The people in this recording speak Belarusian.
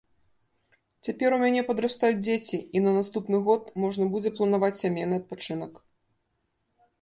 Цяпер у мяне падрастаюць дзеці, і на наступны год можна будзе планаваць сямейны адпачынак.